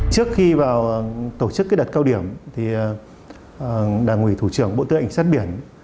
trước khi vào tổ chức đặt cao điểm đảng ủy thủ trưởng bộ tư ảnh sát biển